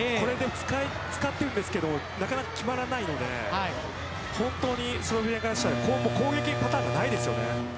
使っているんですがなかなか決まらないので本当に、スロベニアからしたら攻撃パターンがないです。